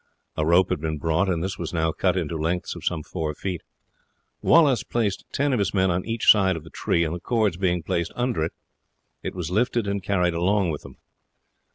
A rope had been brought, and this was now cut into lengths of some four feet. Wallace placed ten of his men on each side of the tree, and the cords being placed under it, it was lifted and carried along with them.